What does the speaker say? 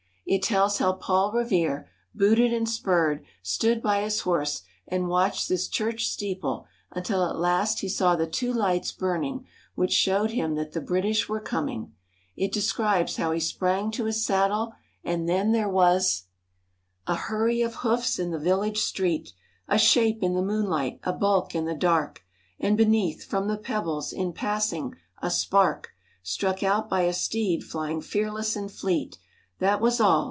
It tells how Paul Revere, booted and spurred, stood by his horse and watched this church steeple until at last he saw the two lights burn ing which showed him that the British It describes how he sprang to his saddle, Old North Church. were commg and then there was *' A hurry of hoofs in the village street, A shape in the moonlight, a bulk in the dark, And beneath, from the pebbles, in passing, a spark Struck out by a steed flying fearless and fleet ; That was all